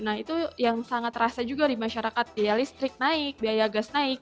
nah itu yang sangat terasa juga di masyarakat biaya listrik naik biaya gas naik